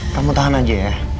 kamu tahan aja ya